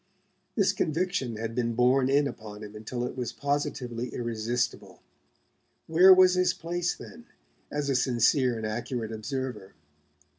This conviction had been borne in upon him until it was positively irresistible. Where was his place, then, as a sincere and accurate observer?